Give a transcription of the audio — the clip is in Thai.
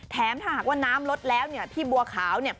แถมถ้าน้ำลดแล้วพี่บัวขาว